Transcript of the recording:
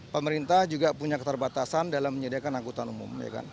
pemerintah juga punya keterbatasan dalam menyediakan angkutan umum